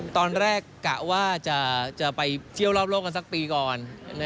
ตอนแรกกะว่าจะไปเที่ยวรอบโลกกันสักปีก่อน